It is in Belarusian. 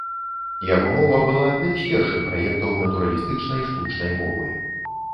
Яго мова была адным з першых праектаў натуралістычнай штучнай мовы.